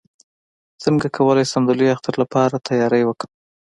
څنګه کولی شم د لوی اختر لپاره تیاری وکړم